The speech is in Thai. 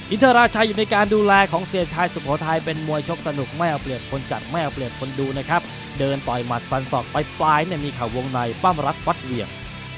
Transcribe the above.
ทราชัยอยู่ในการดูแลของเสียชายสุโขทัยเป็นมวยชกสนุกไม่เอาเปรียบคนจัดไม่เอาเปรียบคนดูนะครับเดินต่อยหมัดฟันศอกไปปลายเนี่ยมีข่าววงในปั้มรัดฟัดเหวี่ยม